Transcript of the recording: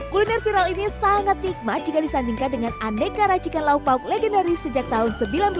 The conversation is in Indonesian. kuliner viral ini sangat nikmat jika disandingkan dengan aneka racikan lauk lauk legendaris sejak tahun seribu sembilan ratus sembilan puluh